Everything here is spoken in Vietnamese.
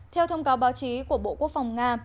theo thông cáo báo chí của bộ quốc phòng nga